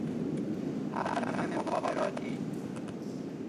پرچم مخابراتی